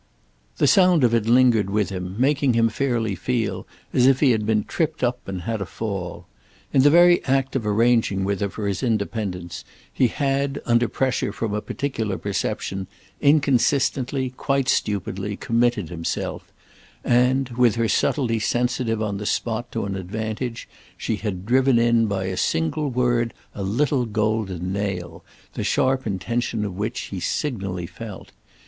The sound of it lingered with him, making him fairly feel as if he had been tripped up and had a fall. In the very act of arranging with her for his independence he had, under pressure from a particular perception, inconsistently, quite stupidly, committed himself, and, with her subtlety sensitive on the spot to an advantage, she had driven in by a single word a little golden nail, the sharp intention of which he signally felt.